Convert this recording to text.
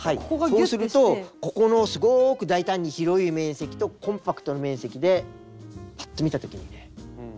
はいそうするとここのすごく大胆に広い面積とコンパクトな面積でパッと見たときにね